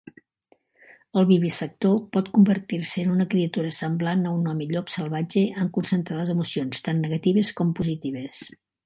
El vivisector pot convertir-se en una criatura semblant a un home llop salvatge en concentrar les emocions tant negatives com positives.